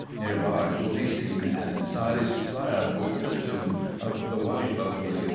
Near by will be seen an incised slab over the tomb of the wife of Wm.